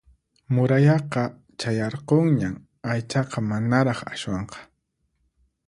Murayaqa chayarqunñan aychaqa manaraq aswanqa